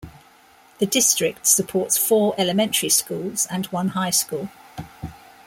The District supports four elementary schools and one high school.